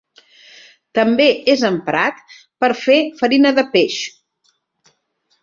També és emprat per a fer farina de peix.